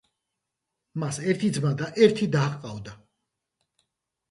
მას ერთი ძმა და ერთი და ჰყავდა.